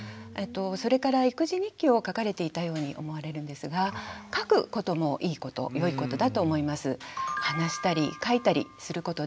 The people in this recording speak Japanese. それから育児日記を書かれていたように思われるんですが書くこともいいこと良いことだと思います。